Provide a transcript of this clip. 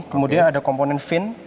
kemudian ada komponen fin